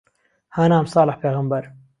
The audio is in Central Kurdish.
هانام ساڵح پێغهمبەر